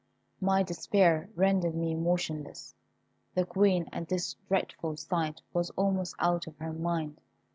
My despair rendered me motionless. The Queen at this dreadful sight was almost out of her mind.